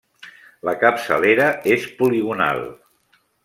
La capçalera és poligonal.